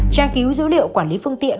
tra cứu dữ liệu quản lý phương tiện